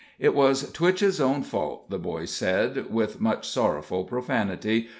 It was Twitchett's own fault, the boys said, with much sorrowful profanity.